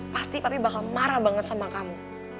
pasti kami bakal marah banget sama kamu